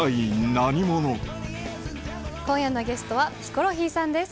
何者今夜のゲストはヒコロヒーさんです。